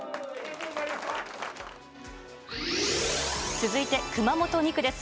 続いて熊本２区です。